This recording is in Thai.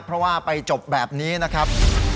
เพราะว่าไปจบแบบนี้นะครับ